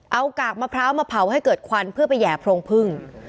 เอากากมะพร้าวมาเผาให้เกิดควันเพื่อไปแห่โพรงพึ่ง